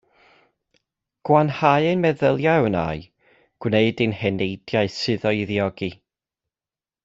Gwanhau ein meddyliau a wnâi, gwneud i'n heneidiau suddo i ddiogi.